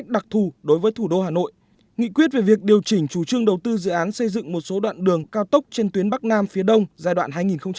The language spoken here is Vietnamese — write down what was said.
đặc thù đối với thủ đô hà nội nghị quyết về việc điều chỉnh chủ trương đầu tư dự án xây dựng một số đoạn đường cao tốc trên tuyến bắc nam phía đông giai đoạn hai nghìn một mươi sáu hai nghìn hai mươi